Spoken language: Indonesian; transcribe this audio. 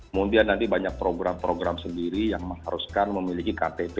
kemudian nanti banyak program program sendiri yang haruskan memiliki kata kata